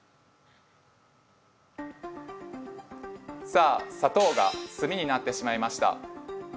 さあ砂糖が炭になってしまいました。